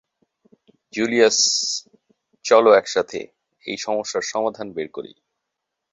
Julius, চলো একসাথে এই সমস্যার সমাধান বের করি।